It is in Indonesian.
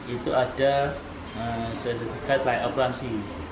itu ada sertifikat layak operasi